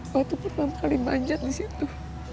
waktu pertama kali manjat disitu